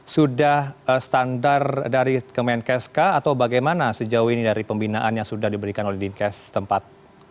sudah standar dari kemenkes kah atau bagaimana sejauh ini dari pembinaan yang sudah diberikan oleh dinkes tempat